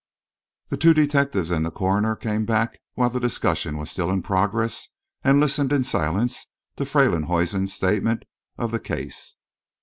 The two detectives and the coroner came back while the discussion was still in progress and listened in silence to Freylinghuisen's statement of the case.